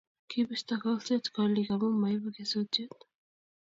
Kibisto kolset kolik amu maibu kesutik